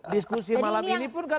diskusi malam ini pun kan